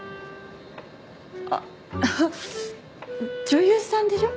あっ女優さんでしょ？